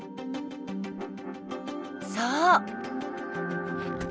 そう。